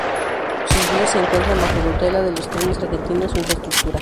Sus vías se encuentran bajo tutela de la Trenes Argentinos Infraestructura.